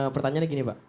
pertanyaan begini pak